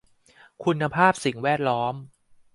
คุณภาพสิ่งแวดล้อม